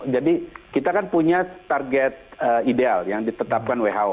jadi kita kan punya target ideal yang ditetapkan who